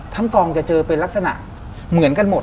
กองจะเจอเป็นลักษณะเหมือนกันหมด